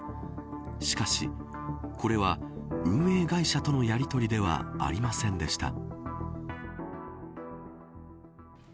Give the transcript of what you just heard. しかし、これは運営会社とのやりとりではありませんでした。